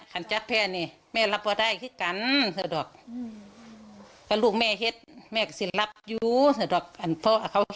ขณะที่ยายของสี่น้ำนะครับทุกผู้ชมครับ